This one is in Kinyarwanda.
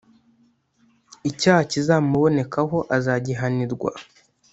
Icyaha kizamubonekaho azagihanirwa